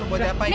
buatnya apa ini